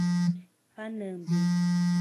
Panambi